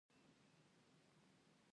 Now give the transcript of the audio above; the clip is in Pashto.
زده کړه نجونو ته د انتخاب حق ورکوي.